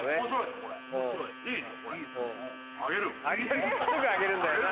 すぐあげるんだよな。